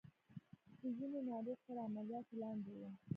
د ځينو ناروغ تر عملياتو لاندې وو.